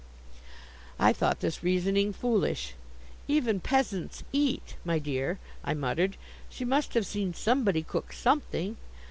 I thought this reasoning foolish. "Even peasants eat, my dear," I muttered. "She must have seen somebody cook something.